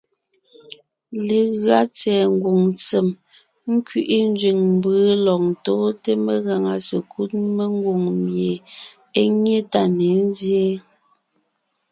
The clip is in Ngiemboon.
Legʉa tsɛ̀ɛ ngwòŋ ntsèm nkẅiʼi nzẅìŋ mbǔ lɔg ntóonte megàŋa sekúd mengwòŋ mie é nyé tá ne nzyéen;